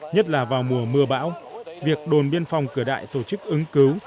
nhất là vào mùa mưa bão việc đồn biên phòng cửa đại tổ chức ứng cứu